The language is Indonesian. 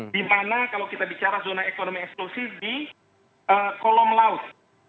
di mana kalau kita bicara zona ekonomi eksklusif di kolom laut